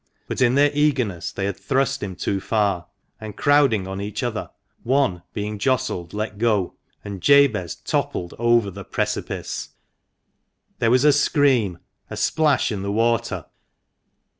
But in their eagerness they had thrust him too far, and crowding on each other, one, being jostled, let go, and Jabez toppled over the precipice ! There was a scream ; a splash in the water.